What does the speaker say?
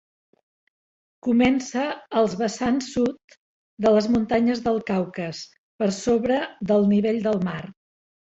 Comença als vessants sud de les muntanyes del Caucas per sobre del nivell del mar.